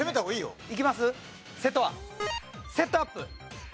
セットアップ。